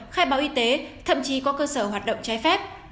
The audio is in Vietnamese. khai báo y tế thậm chí có cơ sở hoạt động trái phép